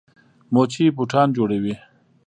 موچي بوټان جوړوي.